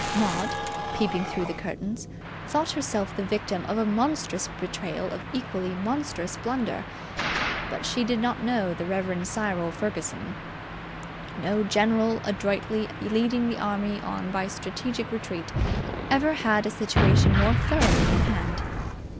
Maud, peeping through the curtains, thought herself the victim of a monstrous betrayal or equally monstrous blunder. But she did not know the Rev. Cyril Ferguson. No general, adroitly leading the enemy on by strategic retreat, ever had a situation more thoroughly in hand.